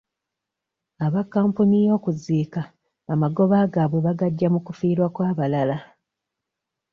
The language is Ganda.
Aba kampuni y'okuziika amagoba gaabwe bagaggya mu kufiirwa kw'abalala.